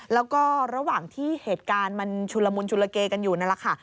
แล้วก็ระหว่างที่เหตุการณ์มันชุลมุนชุลเกกันอยู่นั่นแหละค่ะ